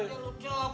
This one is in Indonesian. tadi lu jok